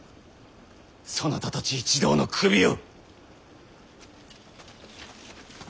そなたたち一同の首を！